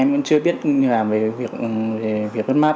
em cũng chưa biết làm việc vất mát